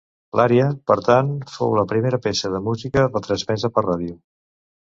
L'ària, per tant, fou la primera peça de música retransmesa per ràdio.